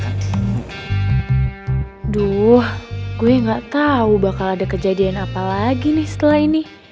aduh gue gak tau bakal ada kejadian apa lagi nih setelah ini